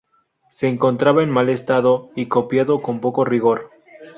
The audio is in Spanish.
Se encontraba en mal estado y copiado con poco rigor.